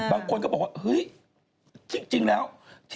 อะไรด้วย